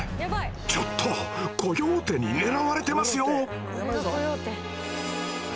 ちょっとコヨーテに狙われてますよ！